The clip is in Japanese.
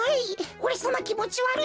おれさまきもちわるい？